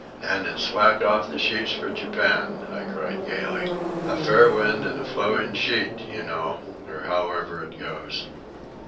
"And it's slack off the sheets for Japan!" I cried gaily. "A fair wind and a flowing sheet, you know, or however it goes."